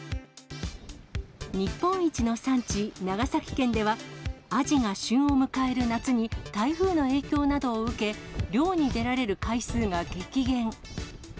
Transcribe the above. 日本一の産地、長崎県では、アジが旬を迎える夏に、台風の影響などを受け、漁に出られる回数が激減。